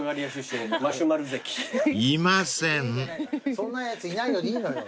「そんなやついない」でいいのよ。